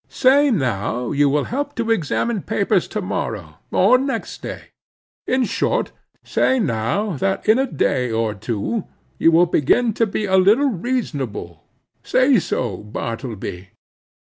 Say now you will help to examine papers to morrow or next day: in short, say now that in a day or two you will begin to be a little reasonable:—say so, Bartleby."